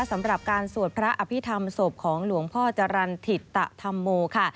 สำหรับการสวดพระอภิษฐรรมศพของหลวงพ่อจรรย์ถิตธรรมโมค่ะ